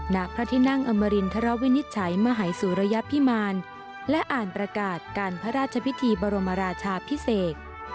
ณพระที่นั่งอมรินทรวินิจฉัยมหายสุรยพิมารและอ่านประกาศการพระราชพิธีบรมราชาพิเศษ